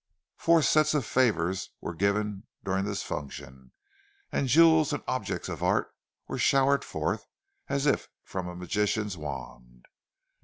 Four sets of favours were given during this function, and jewels and objects of art were showered forth as if from a magician's wand.